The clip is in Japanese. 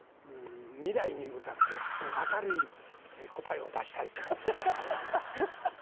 未来に向かって明るい答えを出したいと思ってんだよね。